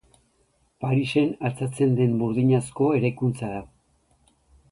Parisen altxatzen den burdinazko eraikuntza da.